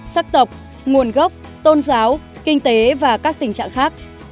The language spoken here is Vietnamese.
sắc tộc nguồn gốc tôn giáo kinh tế và các tình trạng khác